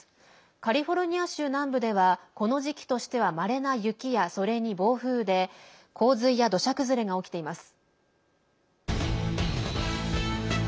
カリフォルニア州南部ではこの時期としては、まれな雪やそれに暴風雨で洪水や土砂崩れが起きています。